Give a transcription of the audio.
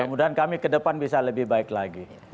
semoga kami ke depan bisa lebih baik lagi